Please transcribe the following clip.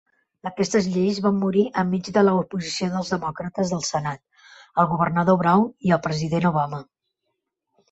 Aquestes lleis van morir en mig de la oposició dels Demòcrates del Senat, el Governador Brown, i el President Obama.